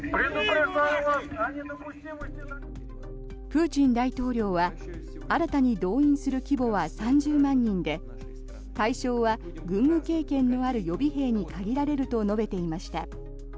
プーチン大統領は新たに動員する規模は３０万人で対象は軍務経験のある予備兵に限られると述べていました。